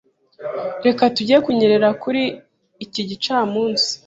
Reka tujye kunyerera kuri iki gicamunsi.